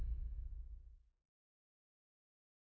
ไม่โปรดติดตาม